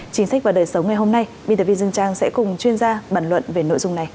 chính sách và đời sống ngày hôm nay biên tập viên dương trang sẽ cùng chuyên gia bàn luận về nội dung này